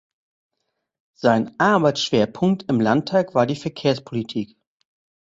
Sein Arbeitsschwerpunkt im Landtag war die Verkehrspolitik.